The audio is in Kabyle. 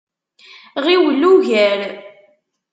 Ɣiwel ugar!